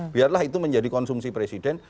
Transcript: biarlah itu menjadi konsumsi presiden